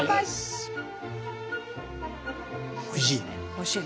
おいしい。